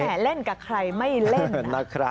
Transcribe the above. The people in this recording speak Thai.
แผลเล่นกับใครไม่เล่น